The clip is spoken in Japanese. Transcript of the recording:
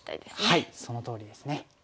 はいそのとおりですね。